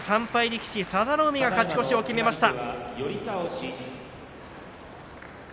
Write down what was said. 力士、佐田の海が勝ち越しを決めました。